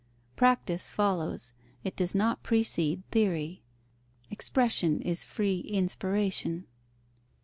Practice follows, it does not precede theory; expression is free inspiration.